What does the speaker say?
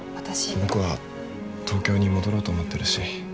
僕は東京に戻ろうと思ってるし。